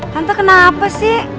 tante kenapa sih